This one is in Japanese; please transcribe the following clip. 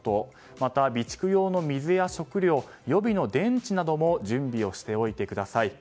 また備蓄用の水や食料予備の電池などのも準備をしておいてください。